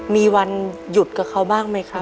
มีวันหยุดกับเขาบ้างไหมครับ